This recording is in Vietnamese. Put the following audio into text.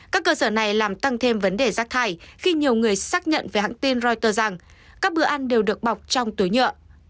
các cơ sở này làm tăng thêm vấn đề rác thải khi nhiều người xác nhận về hãng tin reuters rằng các bữa ăn đều được bọc trong túi nhựa